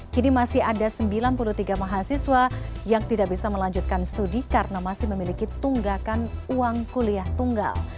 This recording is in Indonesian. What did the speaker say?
kini masih ada sembilan puluh tiga mahasiswa yang tidak bisa melanjutkan studi karena masih memiliki tunggakan uang kuliah tunggal